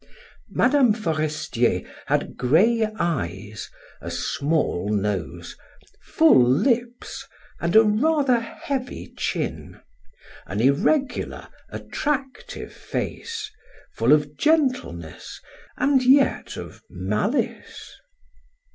Mme. Forestier had gray eyes, a small nose, full lips, and a rather heavy chin, an irregular, attractive face, full of gentleness and yet of malice.